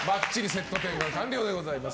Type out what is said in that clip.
セット転換完了でございます！